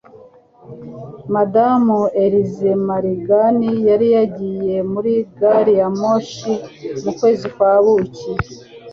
Madamu Elsie Morgan yari yagiye muri gari ya moshi mu kwezi kwa buki